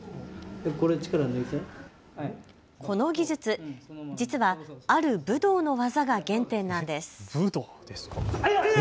この技術、実はある武道の技が原点なんです。